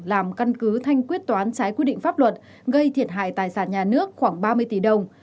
làm căn cứ thanh quyết toán trái quy định pháp luật gây thiệt hại tài sản nhà nước khoảng ba mươi tỷ đồng